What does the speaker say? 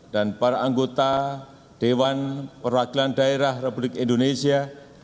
dan para anggota dewan perwakilan daerah republik indonesia